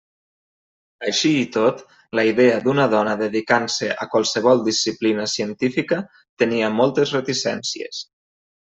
Així i tot, la idea d'una dona dedicant-se a qualsevol disciplina científica tenia moltes reticències.